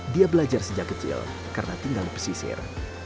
dia belajar sejak kecil karena tinggal di pesisir